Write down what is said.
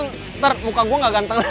ntar muka gua gak ganteng lagi